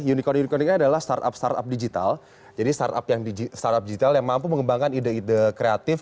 jadi unicorn ini adalah startup startup digital jadi startup yang digital yang mampu mengembangkan ide ide kreatif